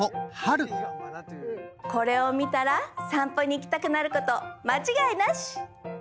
これを見たら散歩に行きたくなること間違いなし！